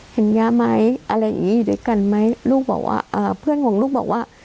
เห็นยังไงไหมอะไรอยู่ด้วยกันไหมลูกบอกว่าเพื่อนของลูกบอกว่า